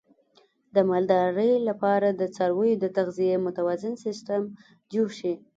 د مالدارۍ لپاره د څارویو د تغذیې متوازن سیستم جوړ شي.